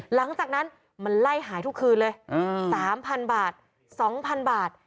หลังจากนั้นมันไล่หายทุกคืนเลย๓๐๐บาท๒๐๐บาท